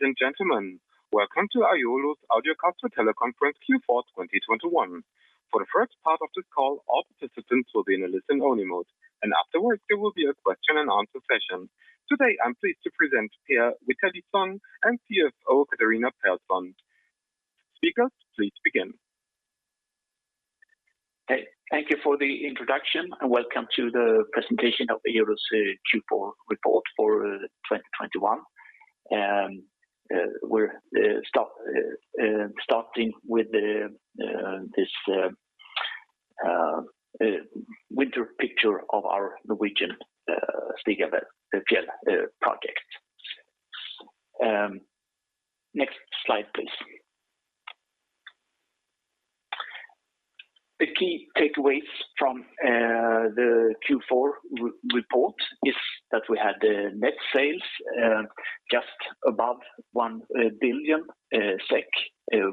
Ladies and gentlemen, welcome to Eolus's audiocast for teleconference Q4 2021. For the first part of this call, all participants will be in a listen-only mode, and afterwards, there will be a question and answer session. Today, I'm pleased to present Per Witalisson and CFO Catharina Persson. Speakers, please begin. Hey, thank you for the introduction, and welcome to the presentation of Eolus's Q4 report for 2021. We're starting with this winter picture of our Norwegian Stigøya project. Next slide, please. The key takeaways from the Q4 report is that we had net sales just above 1 billion SEK.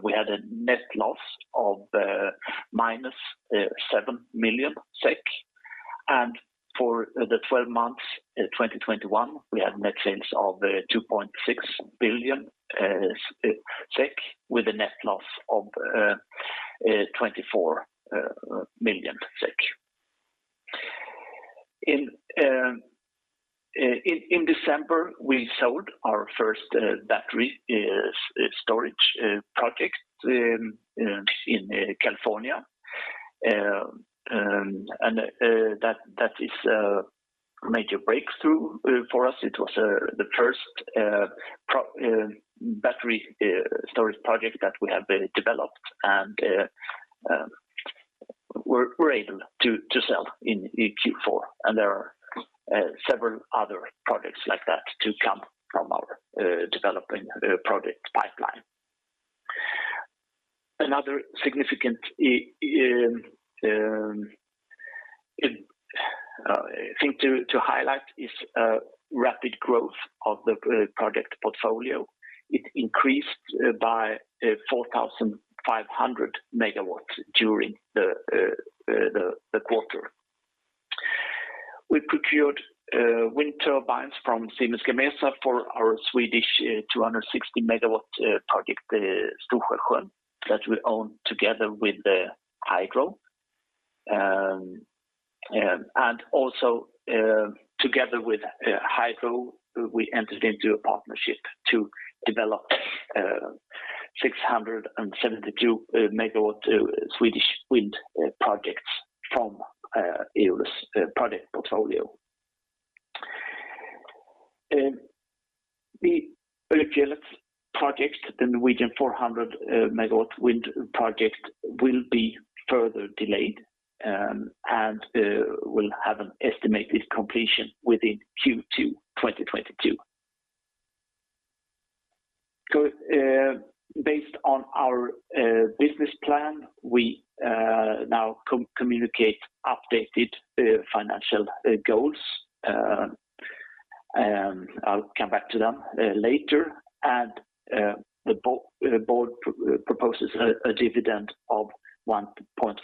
We had a net loss of -7 million SEK. For the 12 months, 2021, we had net sales of 2.6 billion SEK, with a net loss of 24 million SEK. In December, we sold our first battery storage project in California. That is a major breakthrough for us. It was the first our battery storage project that we have developed and we're able to sell in Q4. There are several other projects like that to come from our developing project pipeline. Another significant thing to highlight is rapid growth of the project portfolio. It increased by 4,500 MW during the quarter. We procured wind turbines from Siemens Gamesa for our Swedish 260 MW project, Stor-Skälsjön, that we own together with Hydro. Also, together with Hydro, we entered into a partnership to develop 672 MW Swedish wind projects from Eolus's project portfolio. The Øyfjellet project, the Norwegian 400 MW wind project will be further delayed, and will have an estimated completion within Q2 2022. Based on our business plan, we now communicate updated financial goals. I'll come back to them later. The board proposes a dividend of 1.5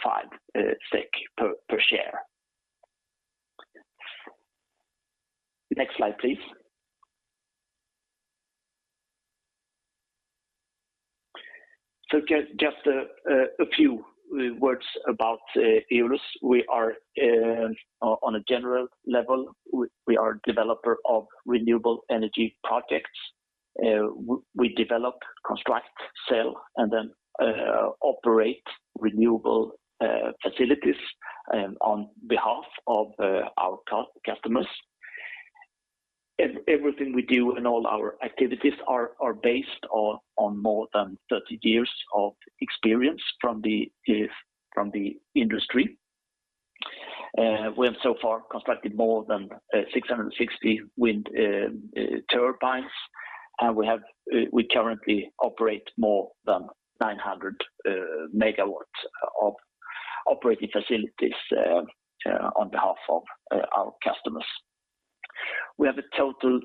SEK per share. Next slide, please. Just a few words about Eolus's. We are, on a general level, a developer of renewable energy projects. We develop, construct, sell, and then operate renewable facilities on behalf of our customers. Everything we do and all our activities are based on more than 30 years of experience from the industry. We have so far constructed more than 660 wind turbines, and we currently operate more than 900 MW of operating facilities on behalf of our customers. We have a total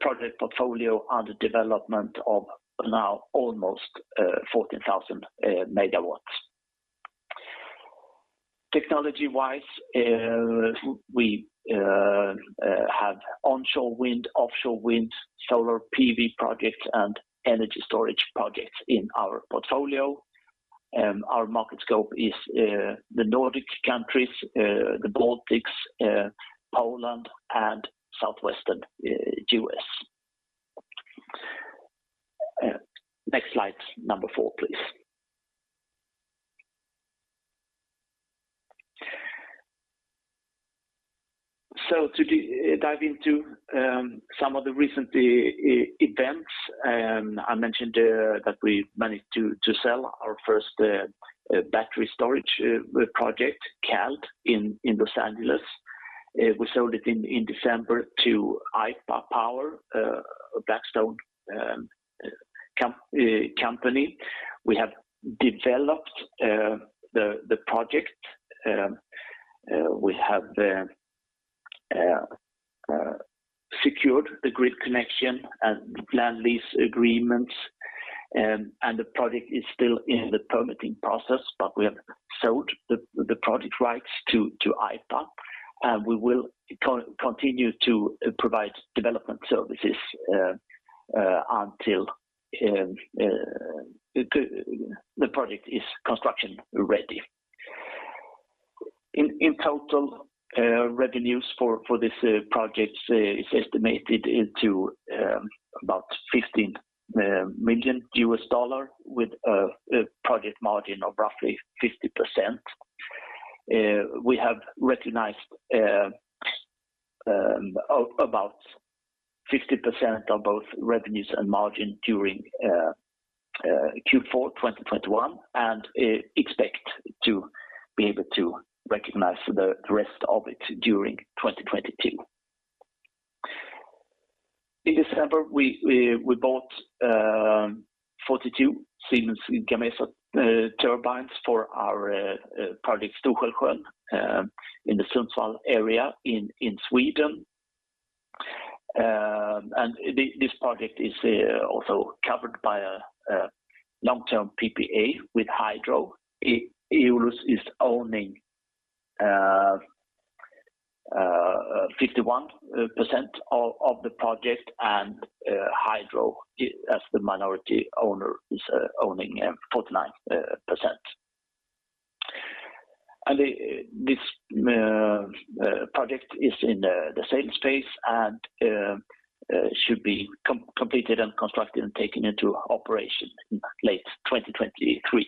project portfolio under development of now almost 14,000 MW. Technology-wise, we have onshore wind, offshore wind, solar PV projects, and energy storage projects in our portfolio. Our market scope is the Nordic countries, the Baltics, Poland, and southwestern U.S. Next slide, number 4, please. To dive into some of the recent events, I mentioned that we managed to sell our first battery storage project, Cald, in Los Angeles. We sold it in December to Aypa Power, a Blackstone company. We have developed the project. We have secured the grid connection and land lease agreements. The project is still in the permitting process, but we have sold the project rights to Aypa Power. We will continue to provide development services until the project is construction ready. In total, revenues for this project is estimated at about $15 million with a project margin of roughly 50%. We have recognized about 50% of both revenues and margin during Q4 2021 and expect to be able to recognize the rest of it during 2022. In December, we bought 42 Siemens Gamesa turbines for our project Stor-Skälsjön in the Sundsvall area in Sweden. This project is also covered by a long-term PPA with Hydro. Eolus is owning 51% of the project and Hydro as the minority owner is owning 49%. This project is in the same space and should be completed and constructed and taken into operation in late 2023.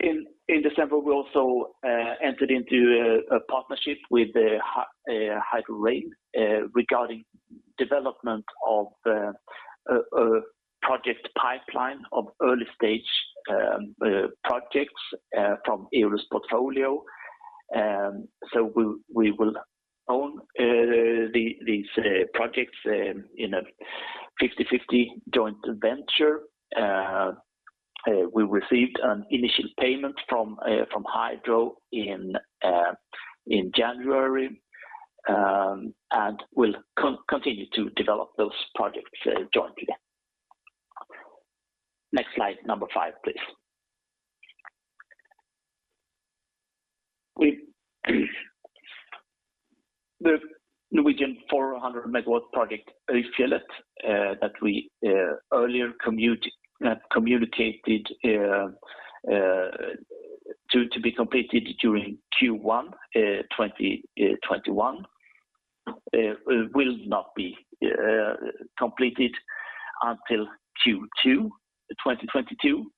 In December, we also entered into a partnership with Hydro Rein regarding development of project pipeline of early-stage projects from Eolus portfolio. We will own these projects in a 50/50 joint venture. We received an initial payment from Hydro in January, and we'll continue to develop those projects jointly. Next slide, number five, please. The Norwegian 400 MW project, Øyfjellet, that we earlier communicated to be completed during Q1 2021 will not be completed until Q2 2022.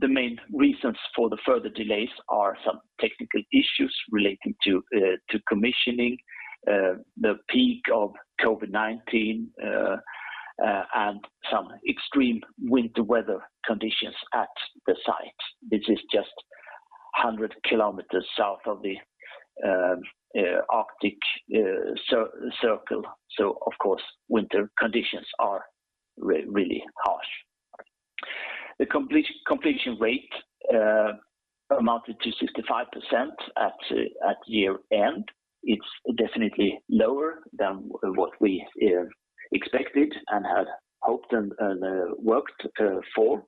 The main reasons for the further delays are some technical issues relating to commissioning, the peak of COVID-19, and some extreme winter weather conditions at the site, which is just 100 km south of the Arctic circle. Of course, winter conditions are really harsh. The completion rate amounted to 65% at year-end. It's definitely lower than what we expected and had hoped and worked for.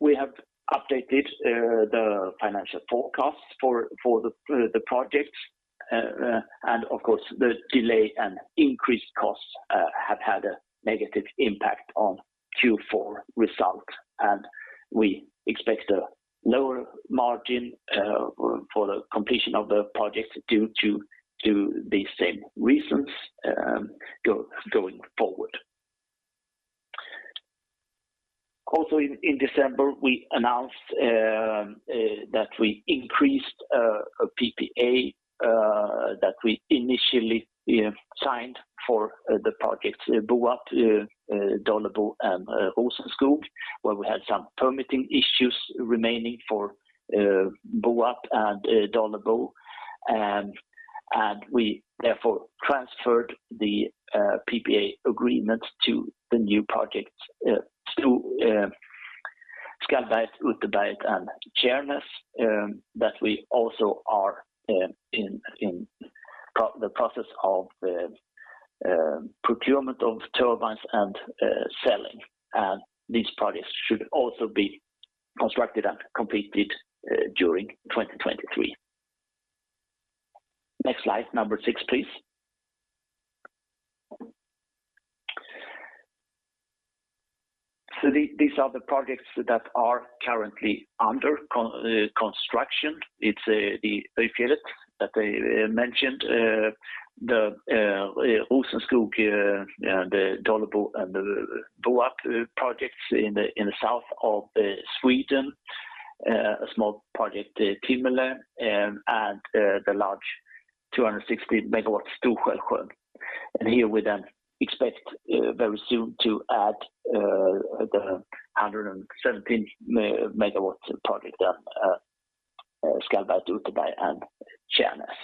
We have updated the financial forecasts for the project. Of course, the delay and increased costs have had a negative impact on Q4 results. We expect a lower margin for the completion of the project due to the same reasons going forward. Also in December, we announced that we increased a PPA that we initially signed for the projects Boarp, Dolebo and Rosenskog, where we had some permitting issues remaining for Boarp and Dolebo. We therefore transferred the PPA agreement to the new projects through Skallberget, Utterberget and Tjärnäs that we also are in the process of procurement of turbines and selling. These projects should also be constructed and completed during 2023. Next slide, number six, please. These are the projects that are currently under construction. It's the Øyfjellet that I mentioned, the Rosenskog, the Dolebo and the Boarp projects in the south of Sweden, a small project Timmele, and the large 260 MW Stor-Skälsjön. Here we then expect very soon to add the 117 MW project Skallberget, Utterberget and Tjärnäs.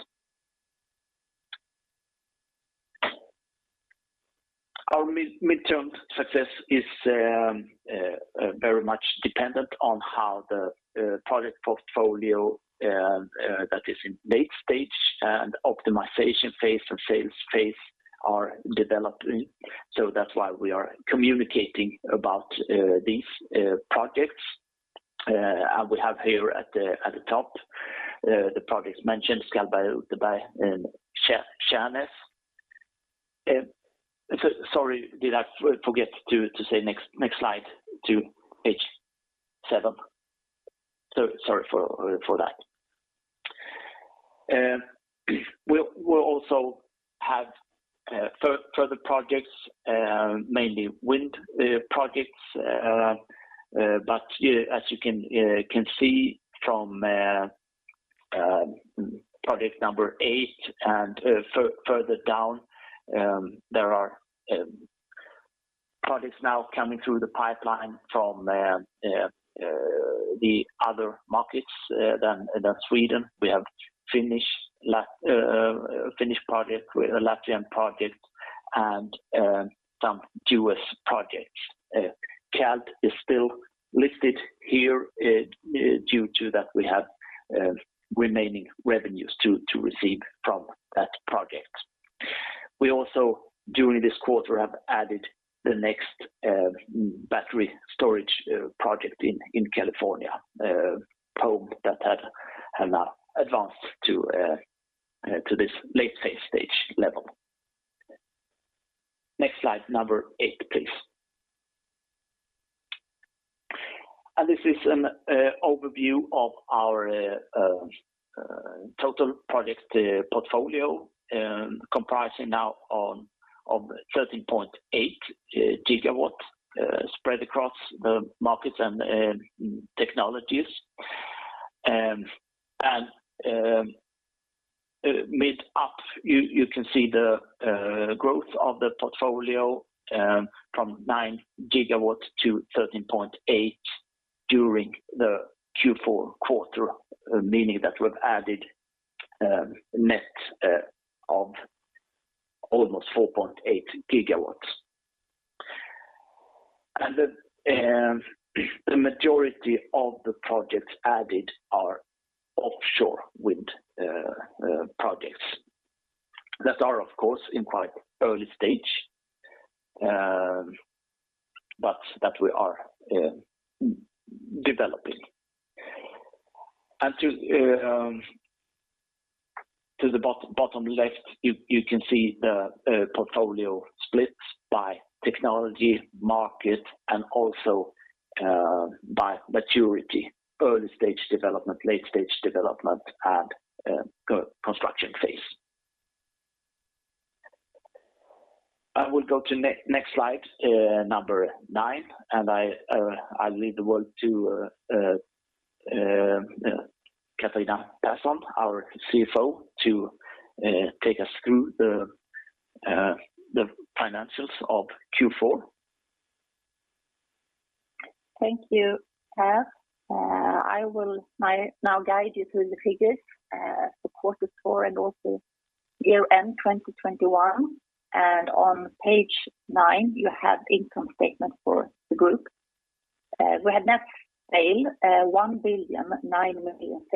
Our midterm success is very much dependent on how the project portfolio that is in late stage and optimization phase and sales phase are developing. That's why we are communicating about these projects, and we have here at the top the projects mentioned, Skallberget, Utterberget, and Tjärnäs. Sorry, did I forget to say next slide to page 7? Sorry for that. We'll also have further projects, mainly wind projects. But as you can see from project number 8 and further down, there are projects now coming through the pipeline from the other markets than Sweden. We have Finnish project with a Latvian project and some U.S. projects. Cald is still listed here due to that we have remaining revenues to receive from that project. We also, during this quarter, have added the next battery storage project in California, Pome that had now advanced to this late phase stage level. Next slide, number eight, please. This is an overview of our total project portfolio comprising now on 13.8 GW spread across the markets and technologies. You can see the growth of the portfolio from 9 GW to 13.8 GW during the Q4 quarter, meaning that we've added net of almost 4.8 GW. The majority of the projects added are offshore wind projects that are, of course, in quite early stage but that we are developing. To the bottom left, you can see the portfolio splits by technology, market and also by maturity, early stage development, late stage development and construction phase. I will go to next slide, number 9, and I'll leave the word to Catharina Persson, our CFO, to take us through the financials of Q4. Thank you, Per. I will now guide you through the figures for quarter four and also year-end 2021. On page nine, you have income statement for the group. We had net sales of 1,009 million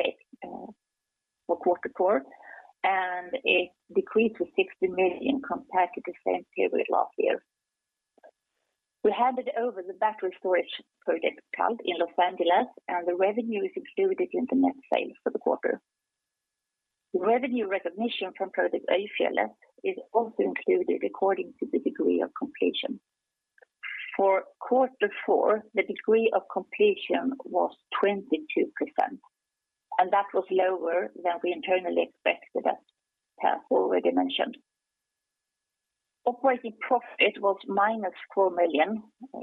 for quarter four, and a decrease of 60 million compared to the same period last year. We handed over the battery storage project, Cald, in Los Angeles, and the revenue is included in the net sales for the quarter. The revenue recognition from project Øyfjellet is also included according to the degree of completion. For quarter four, the degree of completion was 22%, and that was lower than we internally expected, as Per already mentioned. Operating profit was minus 4 million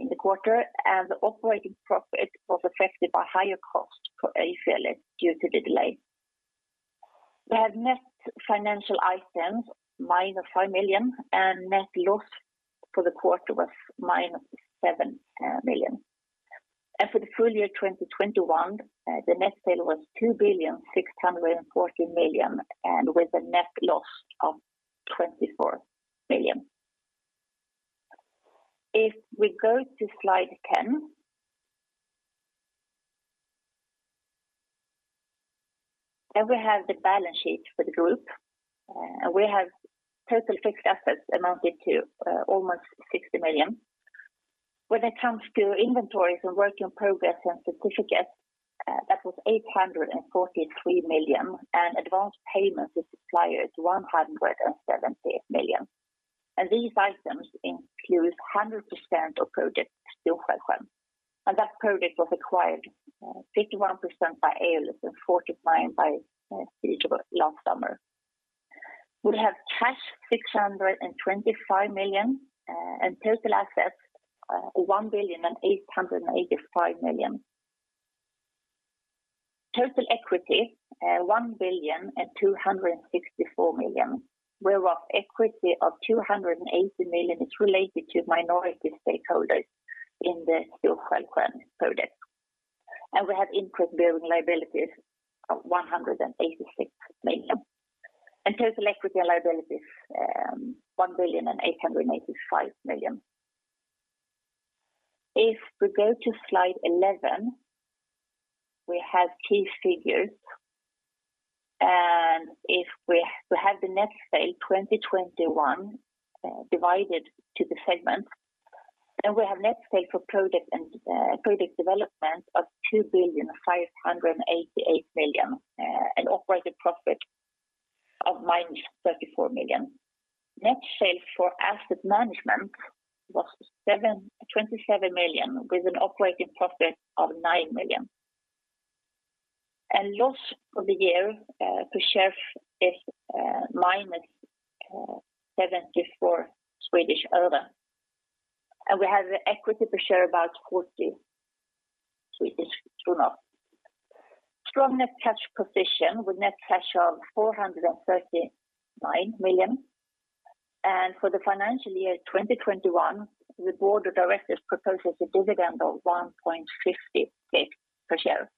in the quarter, and the operating profit was affected by higher costs for Øyfjellet due to the delay. We have net financial items, -5 million, and net loss for the quarter was -7 million. For the full year 2021, the net sale was 2,614,000,000 and with a net loss of 24 million. If we go to slide 10. We have the balance sheet for the group. We have total fixed assets amounted to almost 60 million. When it comes to inventories and work in progress and certificates, that was 843 million, and advanced payments to suppliers, 178 million. These items include 100% of project Stor-Skälsjön. That project was acquired 51% by Eolus and 49% by Hydro last summer. We have cash, 625 million, and total assets, 1,885,000,000 Total equity 1,264,000,000 whereof equity of 280 million is related to minority stakeholders in the Stor-Skälsjön project. We have interest-bearing liabilities of 186 million, and total equity and liabilities 1,885,000,000. If we go to slide 11, we have key figures, and if we have the net sales 2021 divided to the segment, then we have net sales for project and project development of 2,588,000,000 and operating profit of -34 million. Net sales for asset management was 27 million, with an operating profit of 9 million. Loss for the year per share is minus 74 Swedish krona. We have equity per share about 40 Swedish krona. Strong net cash position with net cash of 439 million. For the financial year 2021, the board of directors proposes a dividend of 1.50 SEK per share.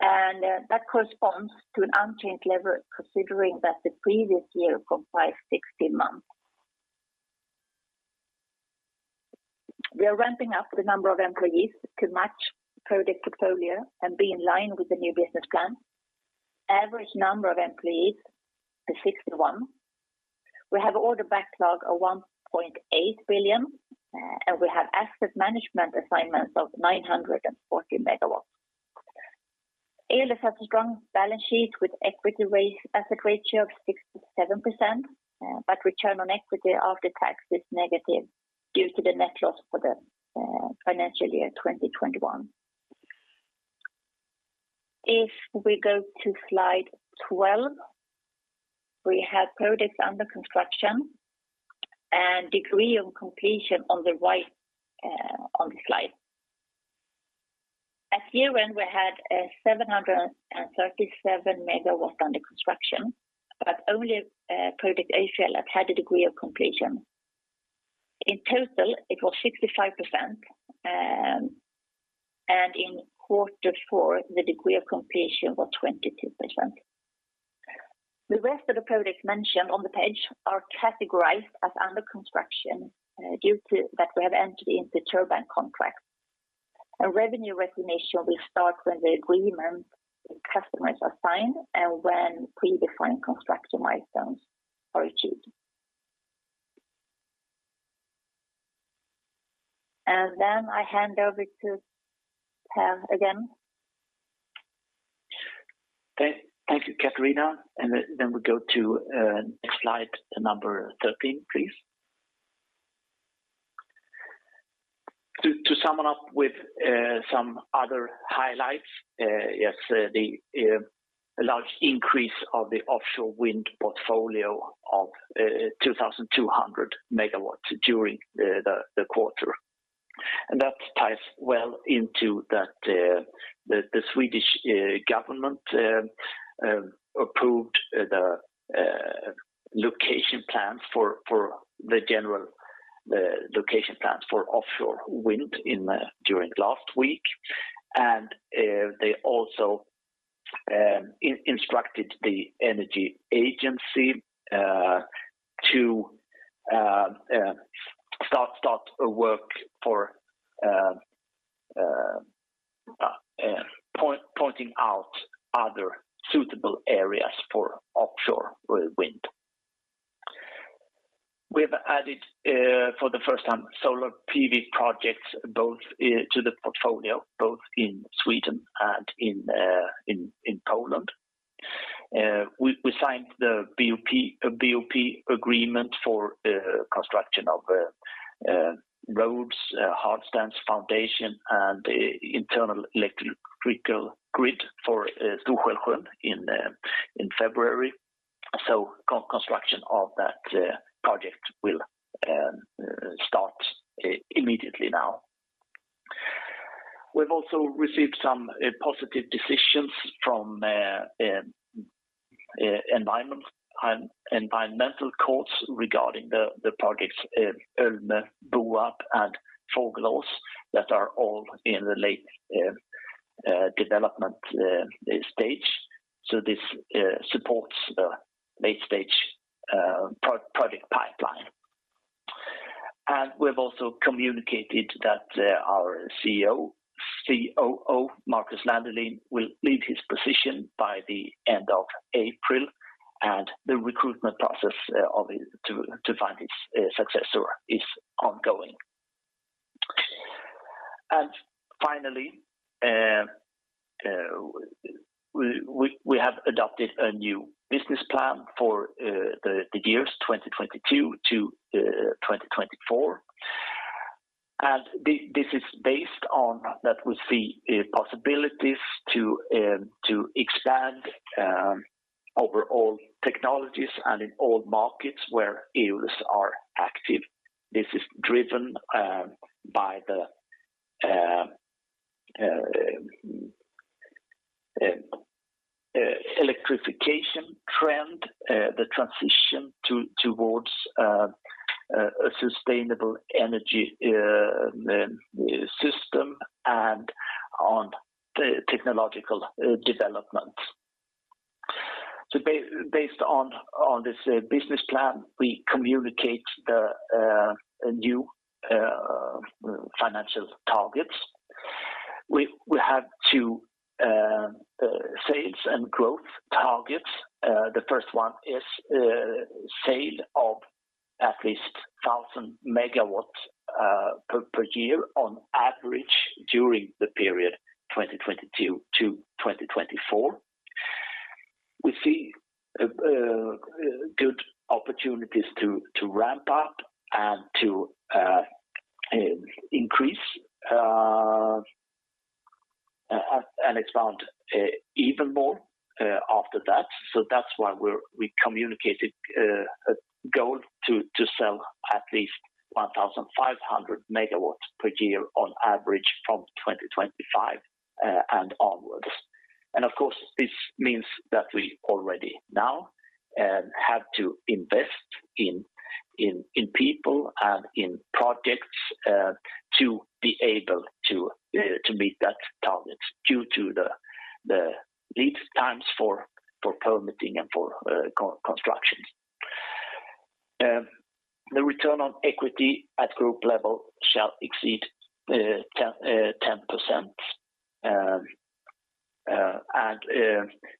That corresponds to an unchanged level considering that the previous year comprised 16 months. We are ramping up the number of employees to match project portfolio and be in line with the new business plan. Average number of employees is 61. We have order backlog of 1.8 billion, and we have asset management assignments of 940 MW. Eolus has a strong balance sheet with asset ratio of 67%, but return on equity after tax is negative due to the net loss for the financial year 2021. If we go to slide 12, we have projects under construction and degree of completion on the right, on the slide. At year-end, we had 737 MW under construction, but only project Åskö has had a degree of completion. In total, it was 65%, and in quarter four, the degree of completion was 22%. The rest of the projects mentioned on the page are categorized as under construction, due to that we have entered into turbine contracts. A revenue recognition will start when the agreement with customers are signed and when predefined construction milestones are achieved. I hand over to Per again. Thank you, Catharina, and then we go to next slide, number thirteen, please. To sum it up with some other highlights, yes, the large increase of the offshore wind portfolio of 2,200 MW during the quarter. That ties well into the Swedish government approved the general location plan for offshore wind during last week. They also instructed the energy agency to start work for pointing out other suitable areas for offshore wind. We've added for the first time solar PV projects both to the portfolio, both in Sweden and in Poland. We signed the BOP agreement for construction of roads, hard stands, foundation and the internal electrical grid for Stor-Skälsjön in February. Construction of that project will start immediately now. We have also received some positive decisions from environmental courts regarding the projects Ölme, Boarp, and Fågelås, that are all in the late development stage. This supports the late stage project pipeline. We have also communicated that our COO, Marcus Landelin, will leave his position by the end of April, and the recruitment process to find his successor is ongoing. Finally, we have adopted a new business plan for the years 2022 to 2024. This is based on that we see possibilities to expand over all technologies and in all markets where Eolus are active. This is driven by the electrification trend, the transition towards a sustainable energy system and on the technological development. Based on this business plan, we communicate a new financial targets. We have two sales and growth targets. The first one is sale of at least 1,000 megawatts per year on average during the period 2022 to 2024. We see good opportunities to ramp up and to increase and expand even more after that. That's why we communicated a goal to sell at least 1,500 megawatts per year on average from 2025 and onwards. Of course, this means that we already now have to invest in people and in projects to be able to meet that target due to the lead times for permitting and for construction. The return on equity at group level shall exceed 10%.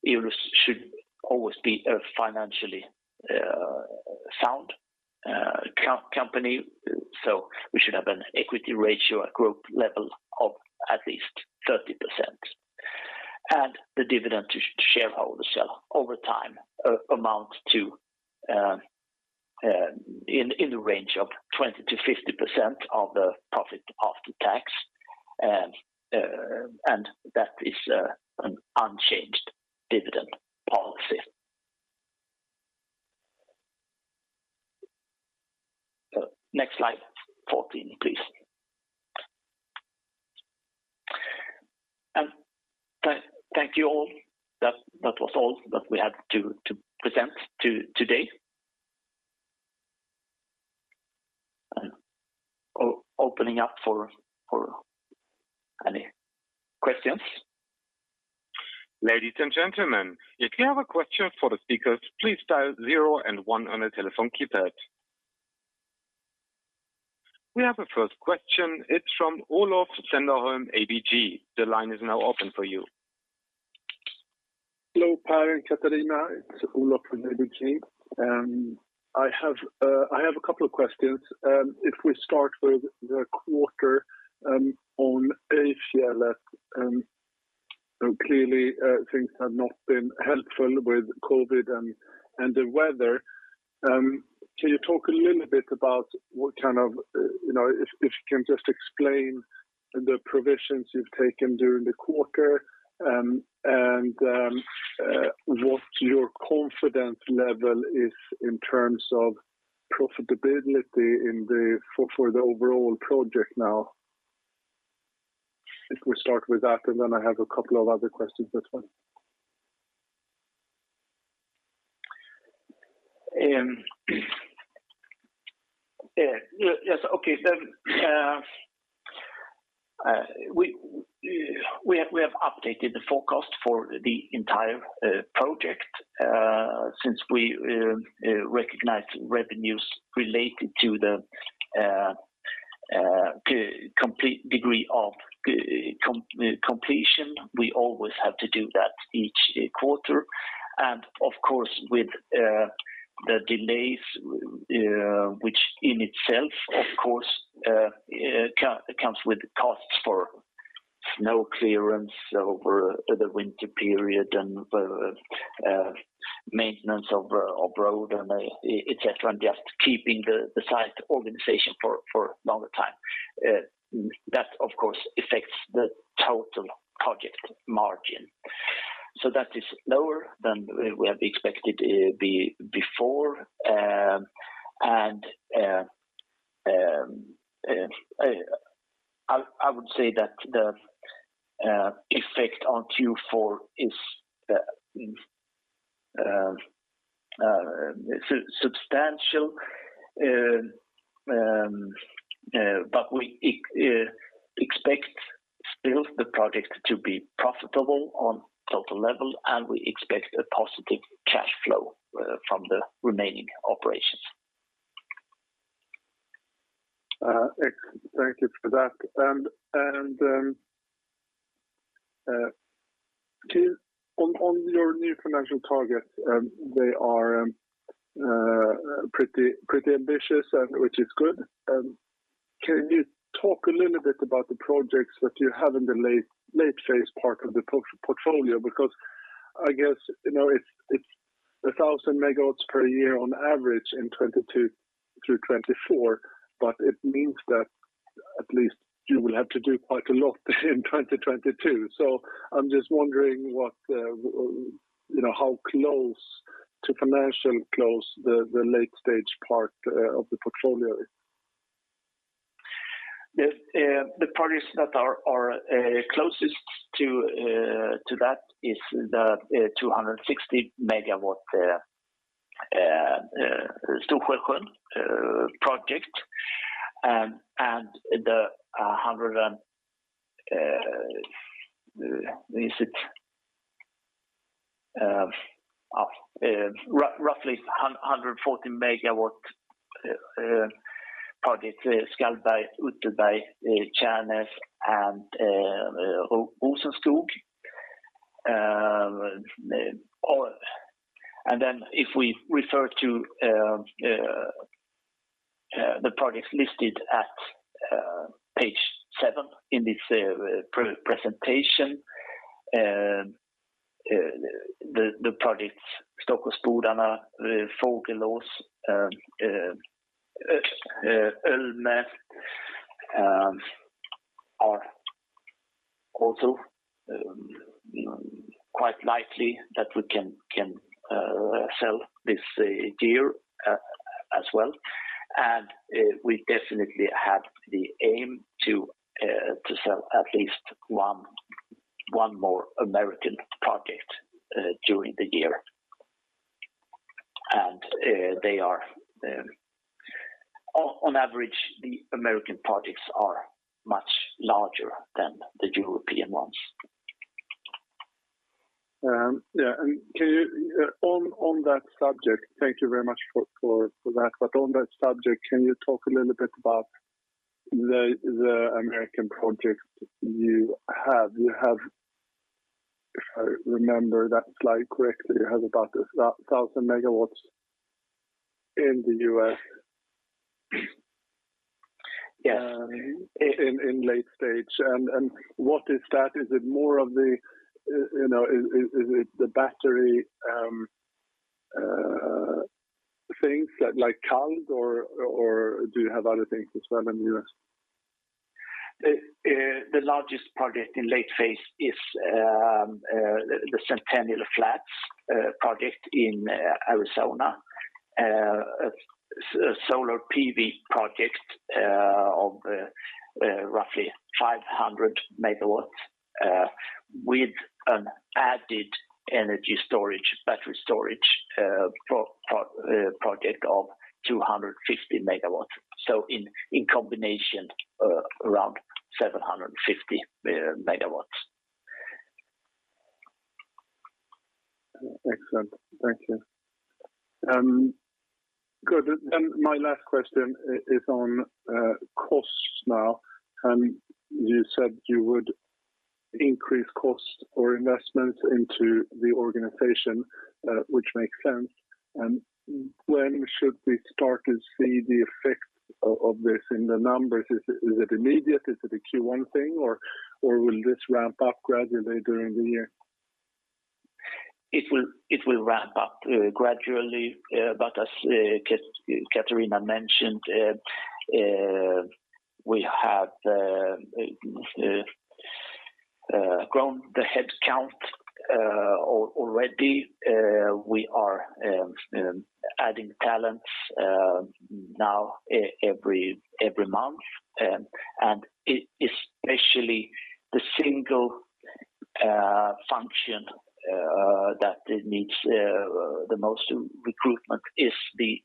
Eolus should always be a financially sound company. We should have an equity ratio at group level of at least 30%. The dividend to shareholders shall over time amount to in the range of 20%-50% of the profit after tax. That is an unchanged dividend policy. Next slide, 14, please. Thank you all. That was all that we had to present today. Opening up for any questions. Ladies and gentlemen, if you have a question for the speakers, please dial 0 and 1 on your telephone keypad. We have a first question. It's from Olof Cederholm, ABG. The line is now open for you. Hello, Per and Catharina. It's Olof from ABG. I have a couple of questions. If we start with the quarter, on Øyfjellet, so clearly, things have not been helpful with COVID and the weather. Can you talk a little bit about what kind of, you know, if you can just explain the provisions you've taken during the quarter, and what your confidence level is in terms of profitability for the overall project now? If we start with that, and then I have a couple of other questions as well. Yeah, yes. Okay. Then we have updated the forecast for the entire project since we recognized revenues related to the degree of completion. We always have to do that each quarter. Of course, with the delays, which in itself, of course, comes with costs for snow clearance over the winter period and the maintenance of road and et cetera, and just keeping the site organization for longer time. That of course affects the total project margin. That is lower than we have expected before. I would say that the effect on Q4 is substantial. We expect still the project to be profitable on total level, and we expect a positive cash flow from the remaining operations. Thank you for that. On your new financial targets, they are pretty ambitious and which is good. Can you talk a little bit about the projects that you have in the late phase part of the portfolio? Because I guess, you know, it's 1,000 MW per year on average in 2022 through 2024, but it means that at least you will have to do quite a lot in 2022. I'm just wondering you know, how close to financial close the late stage part of the portfolio is. The projects that are closest to that is the 260 MW Stor-Skälsjön project. The roughly 114 MW project, Skallberget, Utterberget, Tjärnäs and Rosenskog. If we refer to the projects listed at page 7 in this presentation, the projects Stockåsbodarna, Fågelås, Ölme are also quite likely that we can sell this year as well. We definitely have the aim to sell at least one more American project during the year. They are, on average, the American projects are much larger than the European ones. Yeah. Can you, on that subject, thank you very much for that, but on that subject, can you talk a little bit about the American project you have? You have, if I remember that slide correctly, you have about 1,000 MW in the U.S. Yes. In late stage. What is that? Is it more of the, you know, is it the battery things like Cald or do you have other things as well in the U.S.? The largest project in late phase is the Centennial Flats project in Arizona. Solar PV project of roughly 500 MW with an added energy storage, battery storage project of 250 MW. In combination, around 750 MW. Excellent. Thank you. Good. My last question is on costs now. You said you would increase cost or investment into the organization, which makes sense. When should we start to see the effects of this in the numbers? Is it immediate? Is it a Q1 thing or will this ramp up gradually during the year? It will ramp up gradually, but as Katarina mentioned, we have grown the head count already. We are adding talents now every month. Especially the single function that needs the most recruitment is the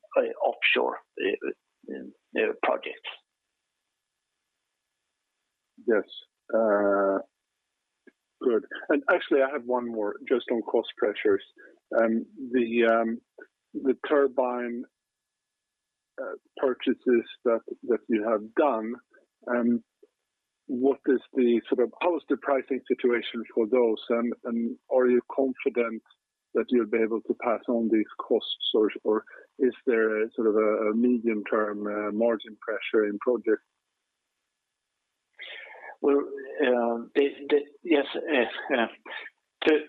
offshore project. Yes. Good. Actually, I have one more just on cost pressures. The turbine purchases that you have done, what is the pricing situation for those? Are you confident that you'll be able to pass on these costs or is there a sort of a medium term margin pressure in projects? Well,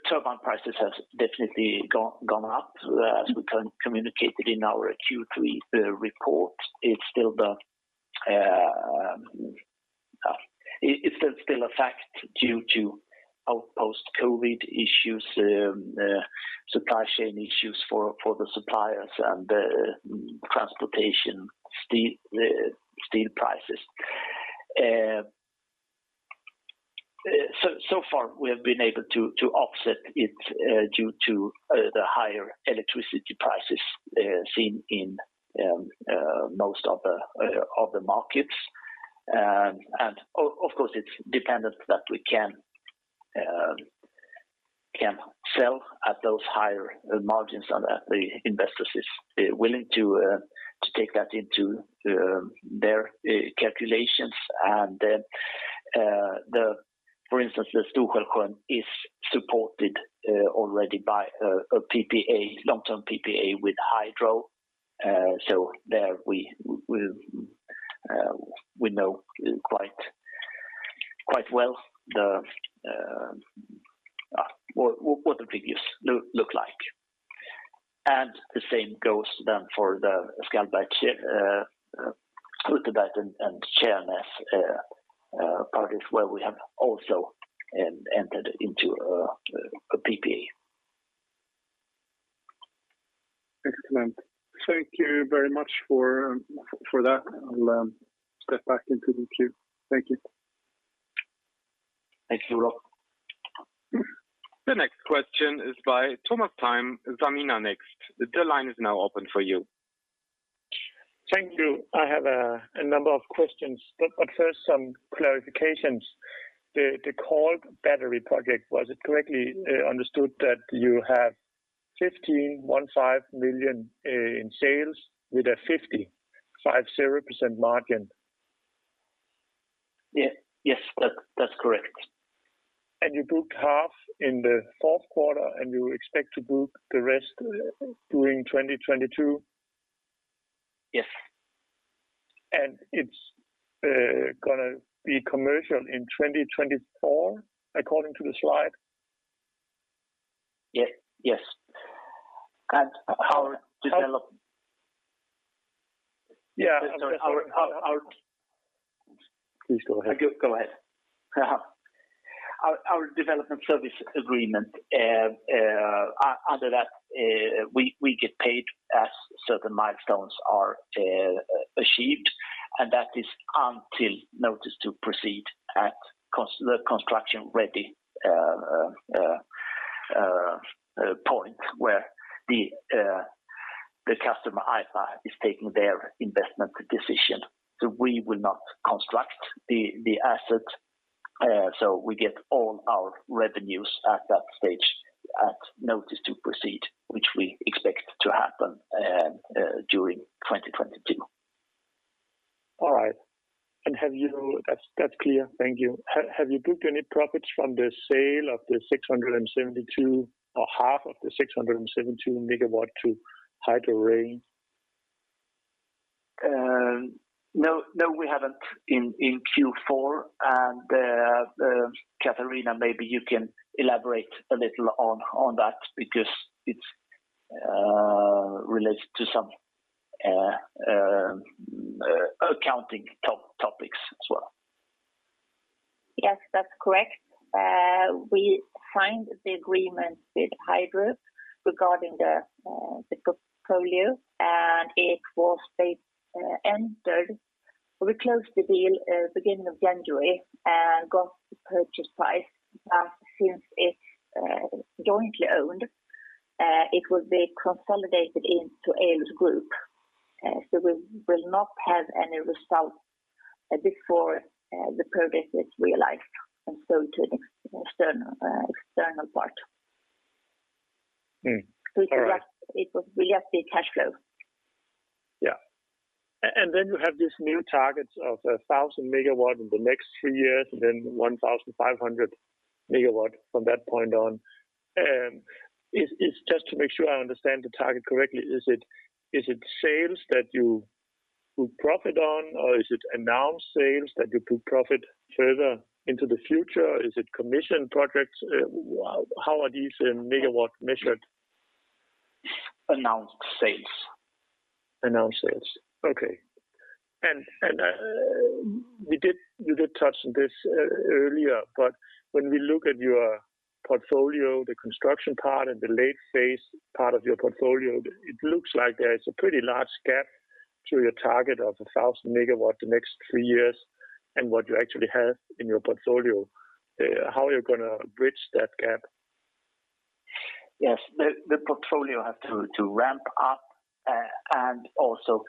turbine prices has definitely gone up as we communicated in our Q3 report. It's still a fact due to post-COVID issues, supply chain issues for the suppliers and transportation, steel prices. So far, we have been able to offset it due to the higher electricity prices seen in most of the markets. Of course, it's dependent that we can sell at those higher margins and that the investors is willing to take that into their calculations. For instance, the Stokholmen is supported already by a PPA, long-term PPA with Hydro. There we know quite well what the figures look like. The same goes then for the Skallberget, Utterberget and Tjärnäs projects where we have also entered into a PPA. Thank you very much for that. I'll step back into the queue. Thank you. Thank you. The next question is by Thomas Timm with Zalivest. Thank you. I have a number of questions, but first, some clarifications. The Cald battery project, was it correctly understood that you have $15 million in sales with a 50% margin? Yes, that's correct. You booked half in the fourth quarter, and you expect to book the rest during 2022? Yes. It's gonna be commercial in 2024, according to the slide. Yes. Our development Yeah. Sorry. Our, our- Please go ahead. Go ahead. Our development service agreement, under that, we get paid as certain milestones are achieved, and that is until notice to proceed at the construction ready point where the customer, IPP, is taking their investment decision. We will not construct the asset. We get all our revenues at that stage, at notice to proceed, which we expect to happen during 2022. All right. That's clear. Thank you. Have you booked any profits from the sale of the 672 or half of the 672 MW to Hydro REIN? No, we haven't in Q4. Catharina, maybe you can elaborate a little on that because it's related to some accounting topics as well. Yes, that's correct. We signed the agreement with Hydro regarding the portfolio, and it was entered. We closed the deal beginning of January and got the purchase price. Since it's jointly owned, it will be consolidated into Eolus' group. We will not have any result before the progress is realized and sold to an external party. All right. We suggest it will just be cash flow. Yeah. Then you have these new targets of 1,000 MW in the next three years and then 1,500 MW from that point on. Is just to make sure I understand the target correctly, is it sales that you would profit on or is it announced sales that you could profit further into the future? Is it commissioned projects? How are these MW measured? Announced sales. Announced sales. Okay. We did touch on this earlier, but when we look at your portfolio, the construction part and the late phase part of your portfolio, it looks like there is a pretty large gap to your target of 1,000 MW the next three years and what you actually have in your portfolio. How are you gonna bridge that gap? Yes. The portfolio has to ramp up and also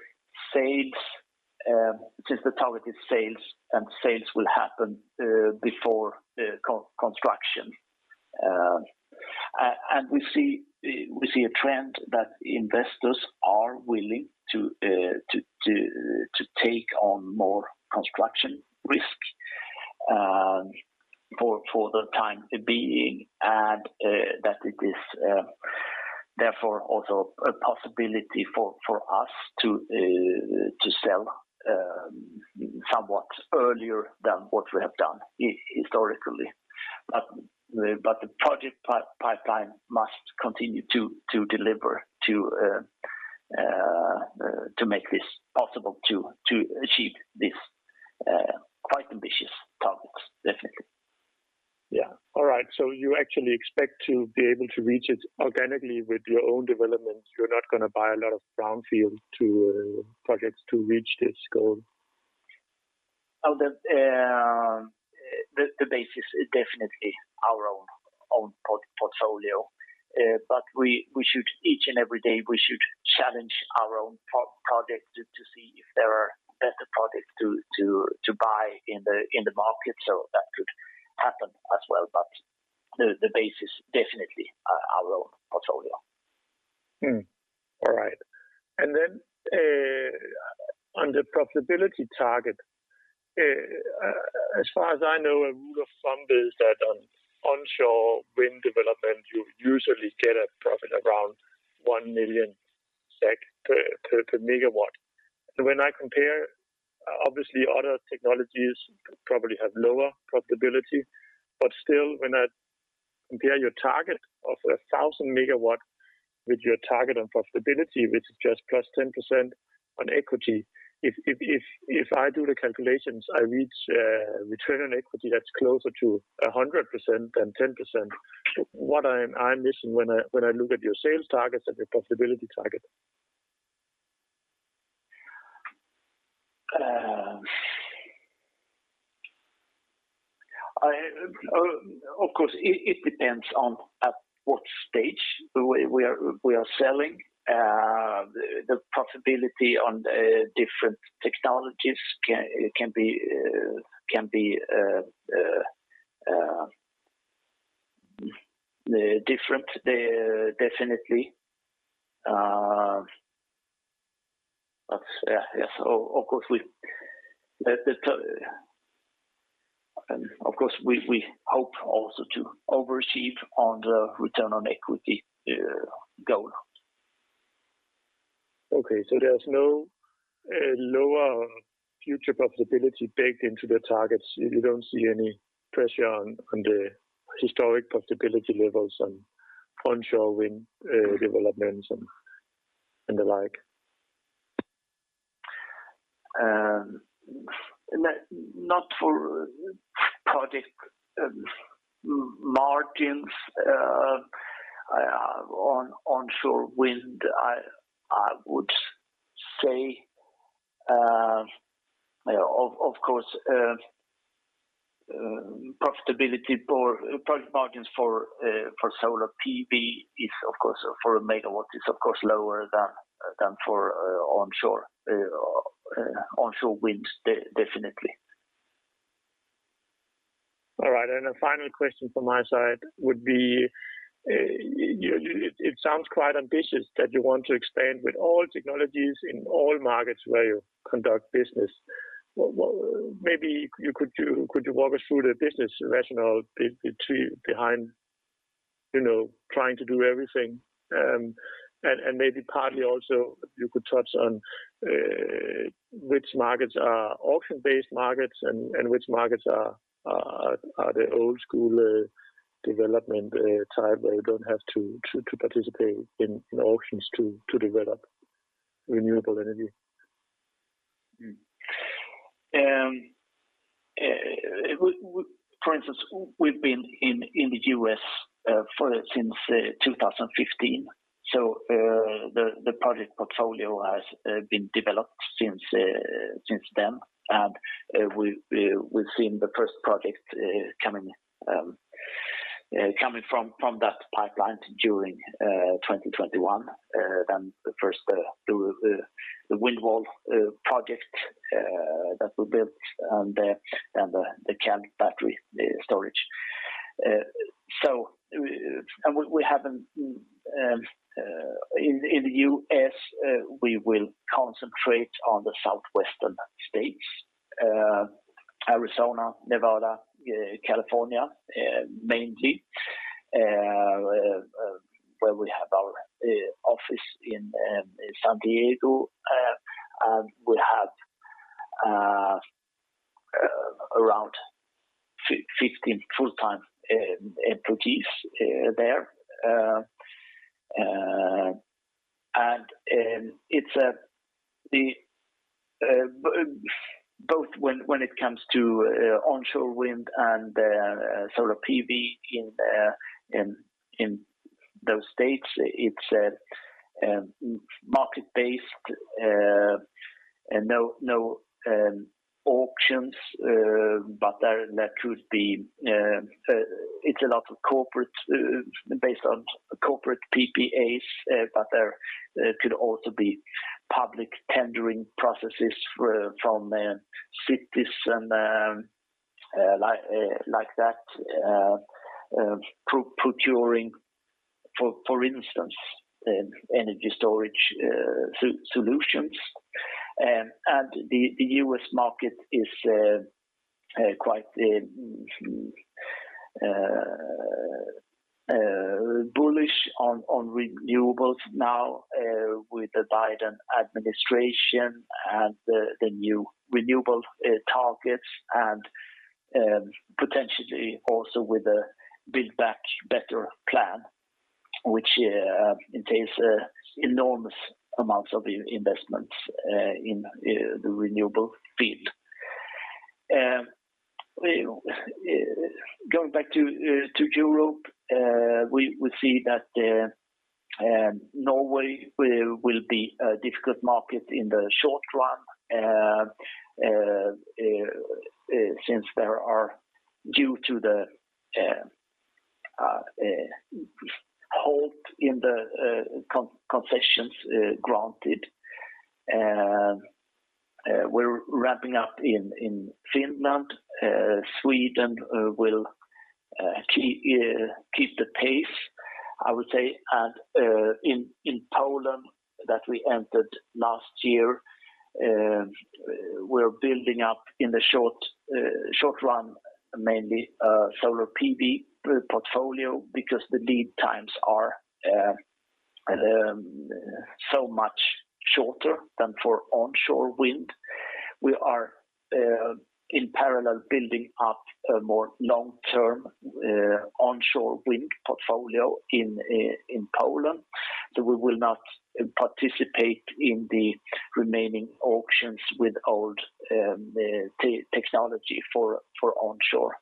sales, since the target is sales, and sales will happen before construction. We see a trend that investors are willing to take on more construction risk, for the time being, and that it is therefore also a possibility for us to sell somewhat earlier than what we have done historically. The project pipeline must continue to deliver, to make this possible to achieve this quite ambitious targets, definitely. Yeah. All right. You actually expect to be able to reach it organically with your own developments. You're not gonna buy a lot of brownfield to projects to reach this goal. Well, the base is definitely our own portfolio. We should each and every day challenge our own project to see if there are better projects to buy in the market. That could happen as well. The base is definitely our own portfolio. All right. On the profitability target, as far as I know, a rule of thumb is that on onshore wind development, you usually get a profit around 1 million SEK per MW. When I compare, obviously other technologies probably have lower profitability, but still, when I compare your target of 1,000 MW with your target on profitability, which is just +10% on equity. If I do the calculations, I reach a return on equity that's closer to 100% than 10%. What am I missing when I look at your sales targets and your profitability target? Of course, it depends on at what stage we are selling. The profitability on different technologies can be different, definitely. Yeah, yes, of course we hope also to overachieve on the return on equity goal. Okay. There's no lower future profitability baked into the targets. You don't see any pressure on the historic profitability levels on onshore wind developments and the like? Not for project margins on onshore wind, I would say. Of course, profitability or project margins for solar PV is, of course, for a megawatt lower than for onshore wind definitely. All right. A final question from my side would be, it sounds quite ambitious that you want to expand with all technologies in all markets where you conduct business. Maybe you could walk us through the business rationale behind trying to do everything, you know, and maybe partly also you could touch on which markets are auction-based markets and which markets are the old school development type where you don't have to participate in auctions to develop renewable energy. For instance, we've been in the U.S. since 2015. The project portfolio has been developed since then. We've seen the first project coming from that pipeline during 2021, then the first, the Wind Wall project that we built and the Cald battery storage. In the U.S., we will concentrate on the southwestern states, Arizona, Nevada, California, mainly, where we have our office in San Diego. We have around 15 full-time employees there. It's a Both when it comes to onshore wind and solar PV in those states, it's market-based and no auctions, but there could be. It's a lot of corporate based on corporate PPAs, but there could also be public tendering processes from cities and like that procuring for instance energy storage solutions. The U.S. market is quite bullish on renewables now with the Biden administration and the new renewable targets and potentially also with a Build Back Better plan, which entails enormous amounts of investments in the renewable field. Going back to Europe, we see that Norway will be a difficult market in the short run due to the halt in the concessions granted. We're ramping up in Finland. Sweden will keep the pace, I would say. In Poland that we entered last year, we're building up in the short run, mainly solar PV portfolio because the lead times are so much shorter than for onshore wind. We are in parallel building up a more long-term onshore wind portfolio in Poland that we will not participate in the remaining auctions with old technology for onshore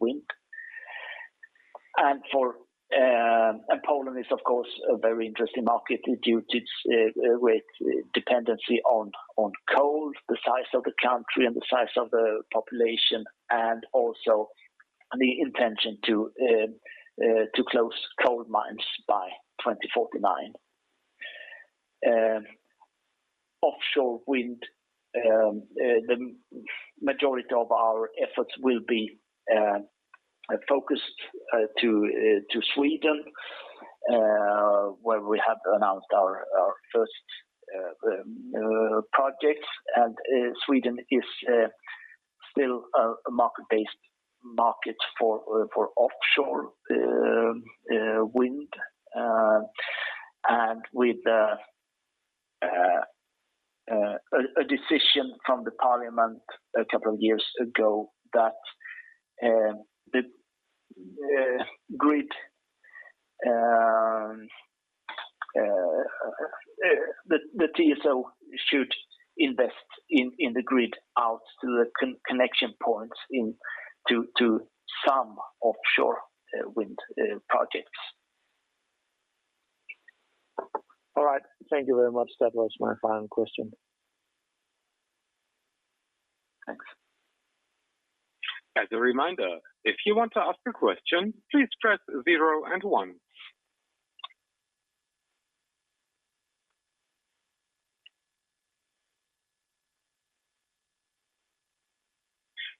wind. Poland is of course a very interesting market due to its dependency on coal, the size of the country and the size of the population, and also the intention to close coal mines by 2049. Offshore wind, the majority of our efforts will be focused on Sweden, where we have announced our first projects. Sweden is still a market-based market for offshore wind. With a decision from the parliament a couple of years ago that the TSO should invest in the grid out to the connection points into some offshore wind projects. All right. Thank you very much. That was my final question. Thanks. As a reminder, if you want to ask a question, please press zero and one.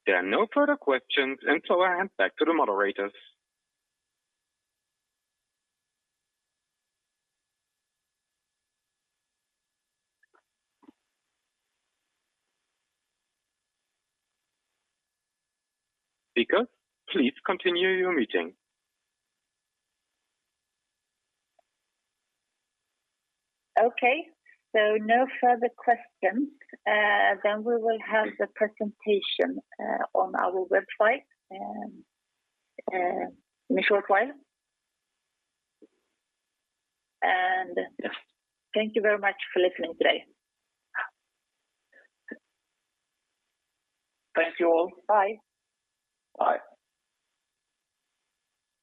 There are no further questions, and so I hand back to the moderators. Speakers, please continue your meeting. Okay. No further questions. We will have the presentation on our website in a short while. Thank you very much for listening today. Thank you all. Bye. Bye.